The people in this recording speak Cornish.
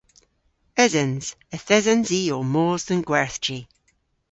Esens. Yth esens i ow mos dhe'n gwerthji.